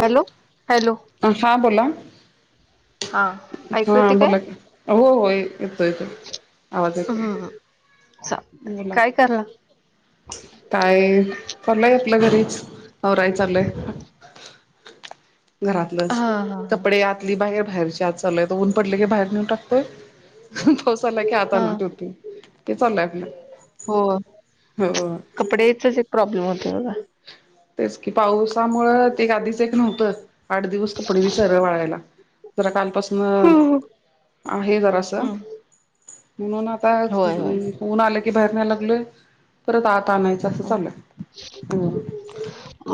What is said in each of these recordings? Hello hello हां बोला हा ऐकू हा येते काय बला हो हो येतो येतो आवाज येतो सग काय करलं काय चालंय आपलं घरीच नवराय चालंय हा घरातलंच हा हा कपडे आतली बाहेर बाहेरची आत चालय ऊन पडले की बाहेर नेऊ टाकतोय पावसाला क हा आताना टुती ते चाललंय आपलं हो कपडे इथं प्रॉब्लेम होते मला तेच की पावसामुं ते आधीच एक नव्हतं आठ दिवस कपडे वि सर वाळायला ज कालपास म हम्म आहे जरासं हम्म म्हणून आता होय होय ऊन आले की बाहेर न्याय लागलोय परत आत आणायचं असं चालूय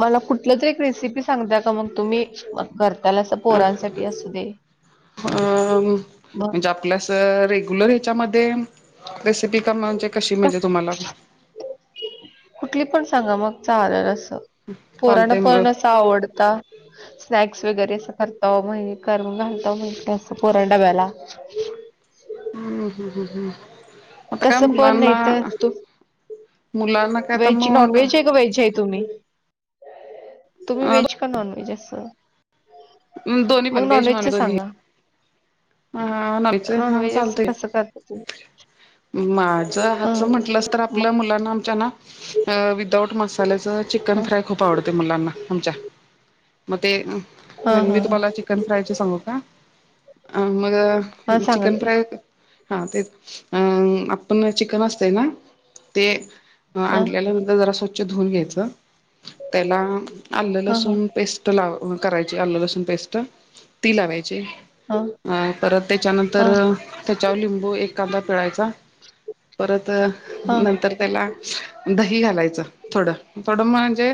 मला कुठल त एक रेसिपी सांगता का मग तुम्ही करताल अस पोरांसाठी असू दे ब आपल्यास रेग्युलर ह्याच्यामध्ये रेसिपी क म्ह म्हणज कशी म्हणजे तुम्हाला कुठली पण सांगा मग चालेल अस पोराण चालतय मग पण अस आवडता स्नॅक्स वगैरे असं करतो म्ह करम घालतो म्ह असं पोरण डब्याला हम्म हम् ह् हम् मत काय तसं पण मुलाना वेज नॉन वेज आहे एक वेज आहे तुम्ही तुम्ही व्हेज का नॉन व्हेज अस दोन्ही मग पण नॉन व्हेज व्हेज व्हेजच्या दोन्ही सांगा हा नलच हा नॉनव्हेज असं चालतय कसं करता तुम्ही माझं हा हाच म्हंटलंस तर आपल्या मग मुलांना आमच्या ना विदाउट मसाल्याच चिकन हा फ्राय ख खूप आवडते मुलांना आमच्या मग ते हा हा मी तुम्हाला चिकन फ्रायचे सांगू का अ हा मग सांगा चिकन की फ्राय हा ते अ आपण चिकन असतय ना ते हा आणल्याल्यानंतर जरा स्वच्छ धुून घ्यायचं त्याला आलं हा हा लसूण पेस्ट त लाव करायची आलू लसूण पेस्ट ती लावायची हा अ परत हा त्याच्यानंतर त्याच्यावर लिंबू एक कांदा पिळायचा परत हा नंतर त्याला दही घालायचं थोडं थोडं म्हणजे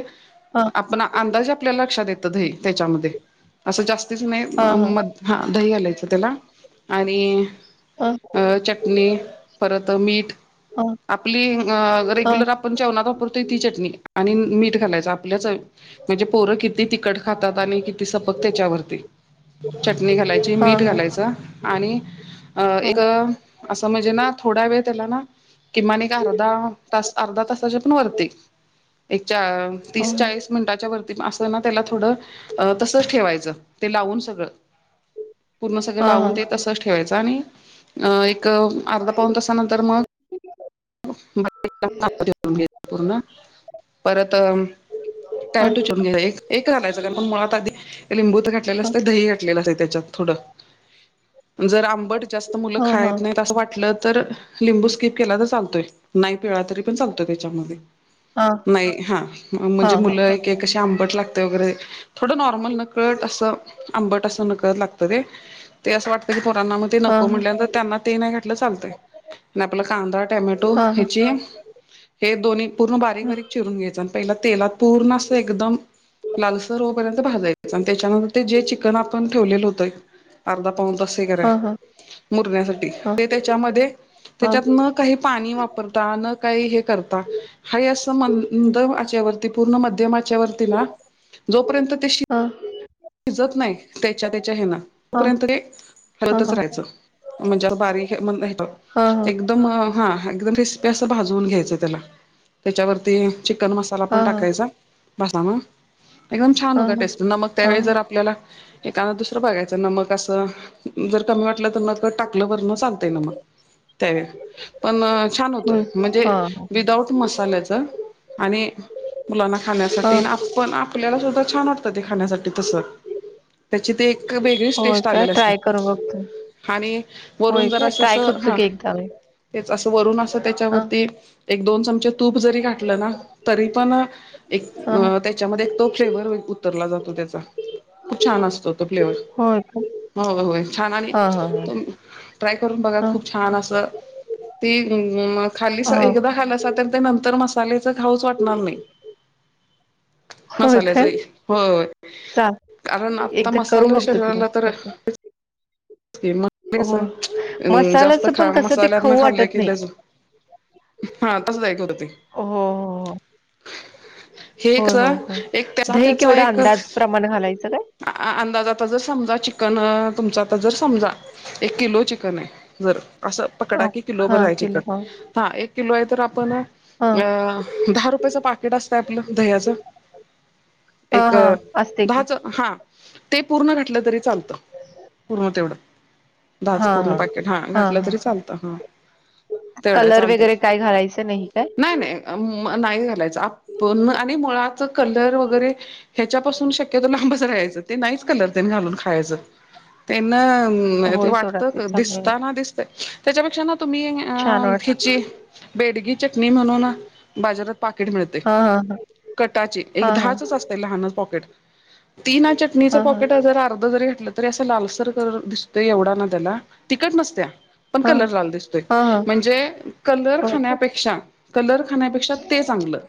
हा आपण अंदाज आपल्याला लक्षात येत त्याच्यामध्ये असं जास्तीच नाही म हा दही घालायचं त्याला आणि हा हा अ चटणी परत मीठ आपली रेग्युलर आपण जेवणात वापरतोय ती चटणी आणि मीठ घालायच आपल्याच म्हणजे पोर किती तखट खातात आणि किती सपक त्याच्यावरती चटणी घालायची हा हा हा मी एक अस म्हणजे ना थोडा वेळ त्याला ना किमान एक अर्धा तास अर्धा तासाच्या पण वरती एक हा तीस चाळीस मिनटाच्या वरतीत ना त्याला थोडं तसच ठेवायचं ते लावून सगळं पूर्ण हा सगळ हा लावून ते तसंच ठेवायचं आणि एक अर्धा पाऊन तसानंतर मग पूर्ण परत टयटू हा चंगेला एक एक घलायचं कारण पण मुळात आधी लिंबू तर घातलेलं असते दही घातलेलं असत त्याच्यात थोडं [unintelligible] [unintelligible] जर आंबट जास्त मुलं हा हा हा खायत नाहीत असं वाटलं तर लिंबू स्किप केला तर चालतोय नाही पिळा तरी पण चालतो त्याच्यामध्ये नाही हा हा म्हणजे मुलं हा कशी आंबट लागते वगैरे थोडं नॉर्मल नकळत असं आंबट असं नकळत लागत ते ते असं वाटतं की पोरांनामध्ये ते नको म्हटल्यानंत त्यांना ते नाही घातटलं चालतय आपला कांदा टमॅटो ण हे दोन् पूर्ण बारीक बारीक चिरून घ्यायच आणि पहिला तेलात पूर्ण अस एकदम लालसर होपर्यंत भाजायच आणि त्याच्यानंतर ते जे चिकन आपण ठेवलेलं होतं करदा पाव द हा हा हा हा हा हा हा हा हा हा हा त्या त्या काही पाणी वापरता न काही हे करता ह अस मंदच्यावरती पूर्ण मध्यमाच्या वती ना जोपर्यंत ते हा शिजत नाही त्याच्या त्याच्या हना तोपर्यंत ते हरवतच हा राहायचं म्हणजे बारीक एक एक हा हा एकदम किस्पी अस भाजून घ्यायचं त्याला त्याच्यावरती चिकन मस्त ण हा हा टाका भसा एकम छान अ, हो टेस्ट मग अ, त्यावे आपल्याला एखकादा दुसरं बघायचं नमक असं जर कमी वाटलं तर म टाकलं बरण सांगताय ना मग त्यावे पण छान होत होय. म्हणजे हां, विदाऊट मसाल्याच आणि मुलांना खाण्यासाठी हां. आणि आपण आपल्याला सुद्धा छान वाटतं ते खाण्यासाठी त त्याची ते एक वेगळीच होय टेस्ट का? आलेली असते ट्राय करून बघतो. आणि होय वरून जर का? असं ट्राय अस करतो हा की एकदा मी. तेच असं वरून असं हां, त्याच्यावरती. एक दोन चमचे तूप जरी घठलं ना तरी पण एक हां. त्या.. त्याच्यामध्ये तो फ्लेवर उतरला जातो त्याचा खूप छान असतो तो फ्लेवर.. हो का. हो होय छान नाही. हां, हां, त ट्राय करून बघा हां. खूप छान असं. ती खाली हां, हां. एकदा खालाातल ते नंतर मस्त मल्याच खाऊच वाटणार नाही होय मसाल्याच का? हो चाल कारण आता एकदा करून मसाला बघतो की मी शरीराला तर कसं म कस हो. जास्त मसाल्याचं खा पण कसं ते मसाल्यात खाऊ म वाटत खाल्लं नाही. केलंच. हा तसंयक होत ते हो, हो, हो. हे होय, कस हो, होय. एक त्याचा दही त्याचा केवढा एक अंदाज प्रमाण घालायचं काय? अंदाज आता जर समजा चिकन तुमचा आता जर समजा एक किलो चिकन आहे जर असं पकडा हां, कि किलो बरं हां. आहे चिकन. किलो हां, हा एक किलो आहे तर आपण हां. अ दहा रुपयाचं पाकिट असतं आपलं दह्याचं हां, एक हां. असते की. दहाच हा ते पूर्ण घातलं तरी चालतं. [inaudible] पूर्ण तेवढं दहाचं हां, पूर्ण हां. पकेट हा हां, घटलं तरी हां. चालतं हा. तेवढ्या कलर चालत वगैरे काय घालायचं काय? नाही नाही. नाही घालायचं आपण आणि मुळाच कलर वगैरे ह्याच्यापासून शक्यतो लांबच राहायचं ते नाहीच कलर ते घालून खायचं. त्यांना ते होय सोडा ते वाटत चांगलं आहे. दिसताना दिसत त्याच्यापेक्षा ना तुम्ही अ छान वाट हिची. बेडगी चटणी म्हणून बाजारात पाकिट मिळते. हा हा हा. कटाचे एक दहाच हा असते. ल त चट हा अर् दिसत एवढा ना त्याला तिकट नसत्या. पण हा कलर लाला दिसतोय हा हा म्हणजे कलर होय काय खाण्यापेक्षा कलर खाण्यापेक्षा ते चांगलं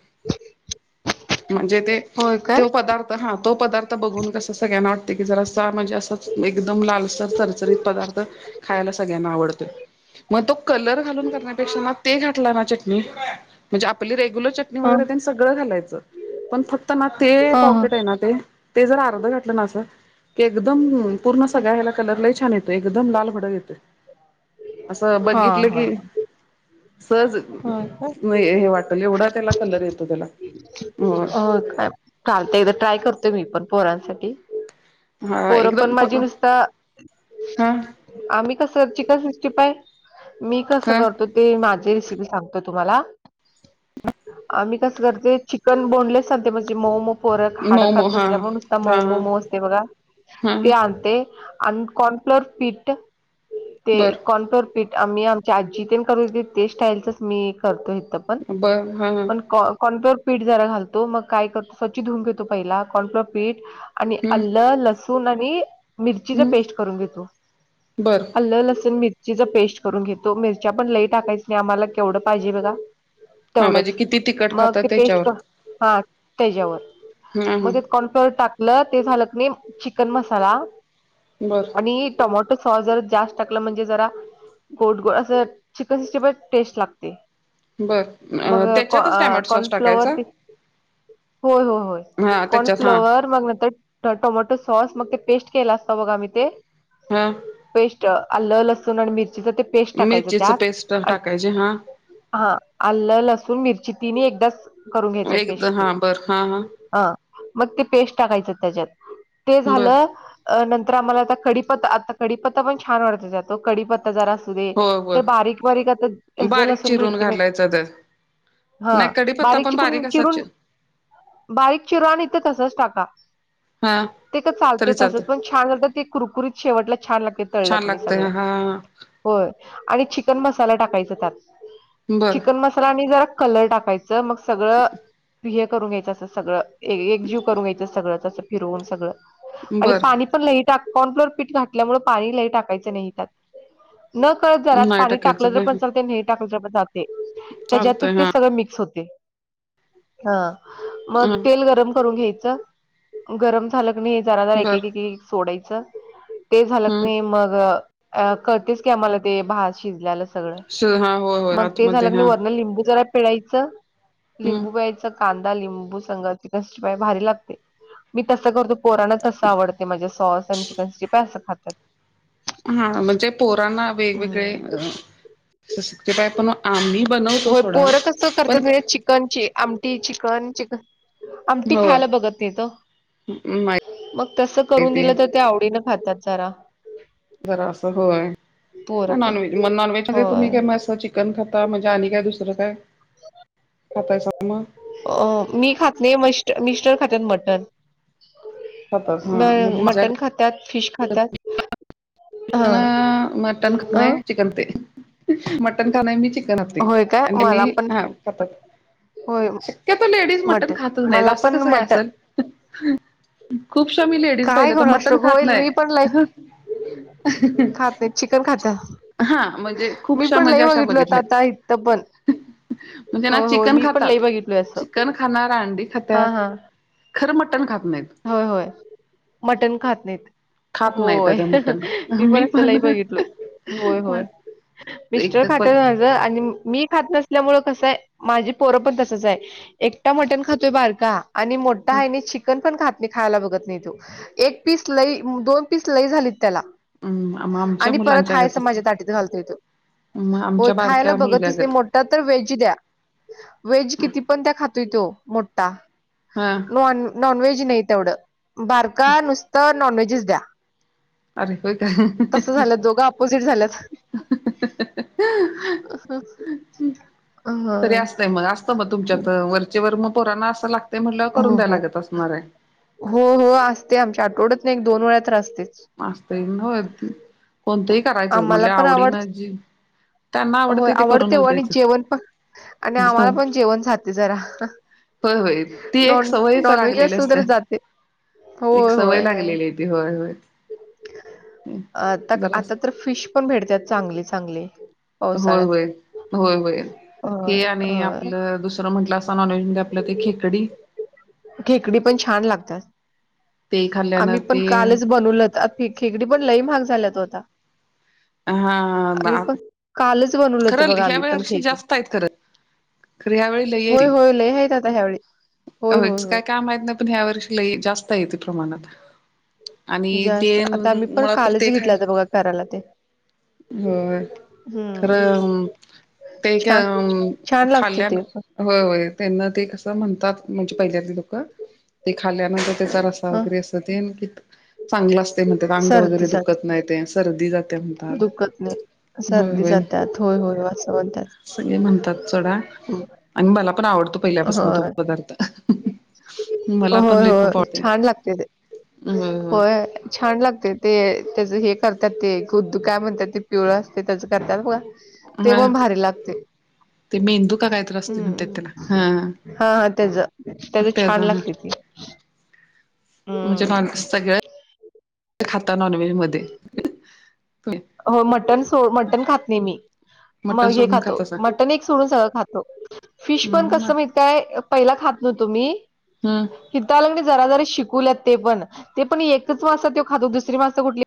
म्हणजे ते होय काय तो पदार्थ तर हा तो पदार्थ बघून कस सगळ्यांना वाटते की जरा म्हणजे असं. एकदम लालसर चरचरीत पदार्थ खायला सगळ्यांना आवडत. मग तो कलर घालून करण्यापेक्षा ना ते घाातला ना चटणी म्हणजे आपली रेग्युलर चट. हा वगैरे त्यांनी सगळं घालायचं पण फक्त ना ते हा पॉकेट आहे ना ते. ते जर अर्ध घटलं ना असं की एकदम पूर्ण सगळ्या ह्याला कलर. छान येते एकदम लाल फडक येते असं हा हा बघितलं हा की. सहज नाही हे वाटल एवढा. त्याला कलर येतो त्याला. होय. हो काय. चालत एकदा ट्राय करतोय मी पण पोरांसाठी हा पोरं पण एकदम माझी प नुसत. हा आम्ही कस चिकन सिकस्टी फय मी कसं का करतो. ते माझी रेसिपी सांगतो तुम्हाला ह आम्ही कसं करते चिकन बोनलेस सांते म्हणजे मोम. पोरक हाड मऊ मऊ खात हा नसल्यामुळे नुसता हा मऊ मम असते बघा हा ते आणते. आणि कॉर्नफ्लोर पिट ते बर कॉर्नफ्लोर पीट आम्ही आमच्या आजी ते करूेत ते स्टाईलचच मी करतो इथ पण बर हा हम्म पण कॉनप्लअर पीठ जरा घालतो मग काय करतो स्वचछ धऊक घेतो पहिला कॉनप्लोर पीठ. आणि अल्लं लसूण आणि मिरचीचा हम्म पेस्ट करून घेतो बर हल्ल लसण मिर चीच पेस्ट करून घेतो मिरच्या पण लई टाकायची नाही आम्हाला केवढं पाहिजे बघा. हा म्हणजे तेवढंच किती तिखट मग खातात ते त्याच्यावर पेस्ट हा त्याच्यावर हा हा मग ते काँर्नफ्लावर टाकलं ते झालं कनयं चिकन मसाला बरं. आणि टोमॅटो सॉस जरा, जास्त टाकलं म्हणजे जरा गोड गोड असं चिकन सिक्टीफाय ची टेस्ट लागते. बरं. मग कॉन -काँर्नफ्लावर ती होय हो होय, हा त्याच्यात हा काँर्नफ्लावर मग नंतर टोमॅटो सॉस मग ते पेस्ट केला असतं, बघा मी ते. हा. पेस्ट आलं लसूण आणि मिरचीच ते पेस्ट टाकायचं मिरचीच त्यात पेस्ट आणि टाकायची हा. हा, आलं, लसूण, मिरची तिन एकदाच करून घ्यायचं एकदा पेस्ट हा ते बर हा हा. मग ते पेस्ट टाकायच त्याच्यात ते बर झालं नंतर आम्हाला, आता कडीपत्ता आता कडीपत्ता पण छान वाटतो त्यात कडीपत्ता जरा असू दे हो हो ते बारीक बारीक आता हेच बारीक लसूण भेट चिरून [unintelligible] घालायचं त्या हा नाही कडीपत्ता पण बारीकची बारीक असा चि चि-चिरून बारीक चिरा आणि ते तसचं टाका, हा ते का चालते तरी तसचं चालतंय पण छान होतात, ते कुरकुरीत शेवटला छान लागतय तळल छान कणी लागतय सगळ. हा होय, आणि चिकन मसाला टाकायचा त्यात. बर चिकन मसाला आणि जरा कलर टाकायचं मग सगळं हे करून घ्यायचं, असं सगळं एकजीव करून घ्यायचं सगळंं फिरवून सगळं आणि बर पाणी ण लय टा- कॉर्नफ्लावर पीठ घातल्यामुळे पाणी लय टाकायच नाही त्यात. न कळत जरा नाही पाणी टाकायचं टकलं तर, पण काय चालतय नाही टाकलं तर पण चालतयं. ते त्याच्यात चालतय ते हा सगळं मिक्स होतय. हा, मग हा तेल गरम करून घ्यायचं. गरम झालं कनय जरा जरा, एक बर एक सोडायचं ते झालं हम्म कनाय मग अ कळतयच की आम्हाला, ते भात शिजल्याला सगळं. श हा होय हो. मग ते झालं क नाही, वरण लिंबू जरा पिळायचं हम्म लिंबू पिळायचं कांदा, लिंबू संग चिकन सिक्स्टी फाय भारी लागतय. मी तसं करतो पोराना तसं आवडतय, म्हणजे सॉस आणि चिकन सिक्स्टी फाय असं खातात. हा म्हणजे पोरांना वेगवेगळे अ तेे काय पण आम्ही बनवतो, सोडा पण चिकन ची आमटी चिकन चिकन आमटी होय खायला बघत नाहीत, ओ मग तस करून माहिती दिलं तर ते आवडी खातात. खातात जरा. जरा असं होय, पोरं पण नॉनव्हेज मग नॉनव्हेज मध्ये तुम्ही होय काय अस चिकण चिकन खाता म्हणजे, आणि काय दुसरं काय खातायसा मग? अ मी खात नाही, मिस्टर खातात मटन. खातात हा मग म्हणजे माझ्या मटण खातात, फिश खातात. मटन-मटन खात नाही, चिकन ते. मटन खाण मी चिकन असतयं, होय काय आणि हेनी मला पण हा चपाती. होय शक्यतो लेडीज मटण मटन खातच नाही, मला असं पण कसं काय मटन असेल? खूपशा मी लेडीज काय पाहिले, तर कोणाष्ट मटण खात होईल मी पण लई नाही. खात नाही चिकन खाता [unintelligible] हा, म्हणजे मी खूपशा पण म्हणजे लई अशा बघितल होत बघितल्यात. आता इथं पण म्हणजे ना होय होय चिकन मी पण खातात, लई बघितलोय असं चिकन खाणार अंडी हा खातात. हा खरं मटण खात नाहीत. होय होय, मटण खात नाहीत खात नाहीत होय. त्या मटण मी पण अस लय बघितलो होय होय, मिस्टर एक खातात मग अग आणि मी खात नसल्यामुळे कसं आहे माझी पोरं पण तसच हाय. एकटा मटन खातोय बारका आणि मोठा हाय नइ चिकन पण खात नाही खायला बघत नाही तो एक पीस लई दोन पीस लई झालीत त्याला. आमच्या आणि परत मुलांच्या हायस गतच माझ्या ताटात घालतोय तो. मग हो आमच्या खायला बारक्या मुलग्या बघतच नाही गत मो तर व्हेज द्या, व्हेज किती पण द्या खातोय तो मोठा. हा नॉन नॉनव्हेज नाही तेवढं, बारका नुसतं नॉनव्हेजच द्या. अरे होय तस झाल्यात दोघं ऑपोजिट झाल्यात. का अह, हा. तरी असतंय मग असतं मग तुमच्यात वरचे वर मग पोराना असं लागतय म्हटल्या वर करून द्याय हो लागत असणार आहे. हो हो असतय आमच्या आठवड्यात एक दोन वेळा तर असतयच. असतय होय, कोणतही करायचच आम्हाला म्हणटले पण आवडीन आवडत जी त्यांना होय आवडतंय ते आवडतय करूनच ओ द्यायचं. जेवण पण, आणि आम्हाला पण जेवण जातय जरा. होय होय ती एक नॉन सवयच नॉनव्हेज लागलेली असतय असत्या तर जातय, हो एक सवय होय हाय. लागलेली आहे ती व्हय व्हय. आता जरा आता तर फिश पण भेटतात चांगली चांगली. होय पावसाळ्यात होय, होय होय, होय हे आणि होय आपलं दुस र म्हटलं अस नॉनव्हेज मध्ये आपल्या ते खेकडी. खेकडी पण छान लागतात, ते खाल्ल्यानं आम्ही पण ते कालच बनवल होत. खेकडी पण लई महाग झाल्यात ओ आता, आम्ही हा पण कालच बनवल होत खरं बघा ह्या आम्ही पण वेळी खेकडी. जास्त आहेत खरं खरं यावेेळी लययती. हायत आता ह्या वेळी. होयच का काय माहित नाय पण ह्या वर्षी लय जास्त आहेत प्रमाणात. आणि ते जास्त आता आम्ही पण मला तर कालच ते घेतलं खाई होतं बघा करायला ते होय, खर, हम्म ते का छान अम, छान लागते खाल्ल्यान. ते होय होय त्यांना ते कस म्हणतात म्हणजे पहिल्यातली लोक, ते खा खाल्यानंतर त्याचा रस्सा पण वगैरे अस तेन, चांगला असतय म्हणतात अंग सर्दी वगैरे जाते दुखत नाही तेन. सर्दी जातया. तात, दुखत नाही होय सर्दी होय, जातात होय होय असं म्हणतात. सगळे म्हणतात सोडा. आणि मला पण आवडतो पहिल्यापासन तो होय पदार्थ. मला पण होय लई खूप होय आवडते छान लागतय ते, होय. छान लागते ते त्याचं हे करतात ते गुदू काय म्हणतात ते पिवळ असतय त्याचं करतात बघा. ते होय पण भारी लागतय. ते मेंदू का कायतर असते म्हणतात हम्म, त्याला हा हा त्याज त्याज छान त्याचा हा लागतय ते. [inaudible] म्हणजे नॉनव्हेज सगळ खाता नॉनव्हेज मध्ये. तुम्ही हो मटन सो मटण खात नाही मी, म मटण हे सोडून खातो खातासा म टन एक सोडून सगळं खातो, फिश पण कसं हम्म माहितीय पहिला खात नव्हतो मी. [unintelligible] हित आलकनी जरा जरा शिकुवल्यात ते पण, ते पण एकच मास तो खातो दुसरी मास कुठली